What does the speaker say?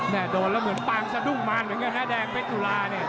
โดนแล้วเหมือนปางสะดุ้งมารเหมือนกันนะแดงเพชรตุลาเนี่ย